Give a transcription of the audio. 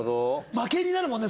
負けになるもんね